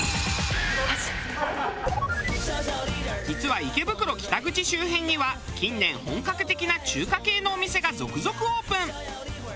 実は池袋北口周辺には近年本格的な中華系のお店が続々オープン。